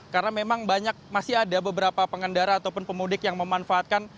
karena memang banyak masih ada beberapa pengendara ataupun pemudik yang memanfaatkan